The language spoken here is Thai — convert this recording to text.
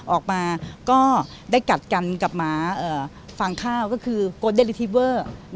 ออกมาก็ได้กัดกันกับหมาฟางข้าวก็คือโกเดลิทิเวอร์